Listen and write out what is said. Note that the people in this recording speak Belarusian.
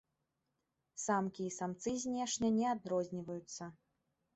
Самкі і самцы знешне не адрозніваюцца.